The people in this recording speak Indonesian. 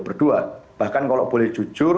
berdua bahkan kalau boleh jujur